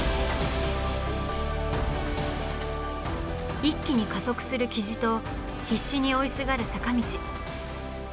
一気に加速する雉と必死に追いすがる坂道。